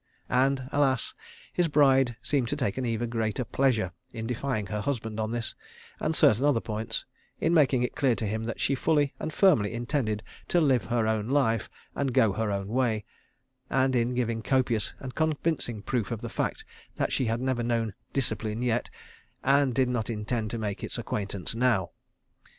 And, alas, his bride seemed to take an even greater pleasure in defying her husband on this, and certain other, points; in making it clear to him that she fully and firmly intended "to live her own life" and go her own way; and in giving copious and convincing proof of the fact that she had never known "discipline" yet, and did not intend to make its acquaintance now.